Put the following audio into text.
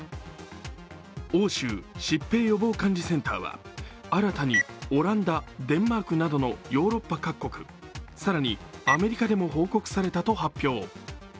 欧州疾病予防管理センターは新たにオランダ、デンマークなどのヨーロッパ各国、更にアメリカでも報告されたと発表。